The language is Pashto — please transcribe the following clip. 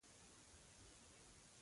د ځمکې وضعي حرکت